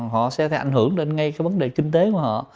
họ sẽ ảnh hưởng lên ngay cái vấn đề kinh tế của họ